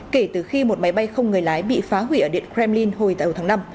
kể từ khi một máy bay không người lái bị phá hủy ở điện kremlin hồi đầu tháng năm